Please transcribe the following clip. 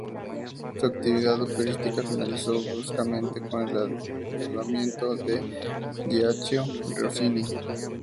Su actividad operística finalizó bruscamente con el advenimiento de Gioachino Rossini.